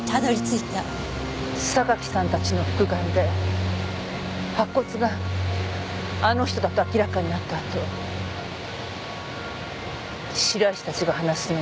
榊さんたちの復顔で白骨があの人だと明らかになったあと白石たちが話すのを聞きました。